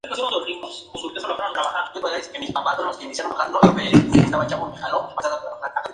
La capital es la ciudad de Azángaro.